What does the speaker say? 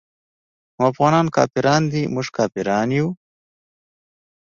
نو افغانان کافران دي موږ کافران يو.